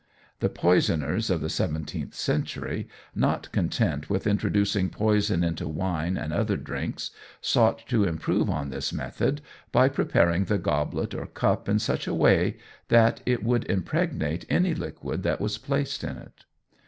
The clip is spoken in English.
The poisoners of the seventeenth century not content with introducing poison into wine and other drinks, sought to improve on this method, by preparing the goblet or cup in such a way, that it would impregnate any liquid that was placed in it.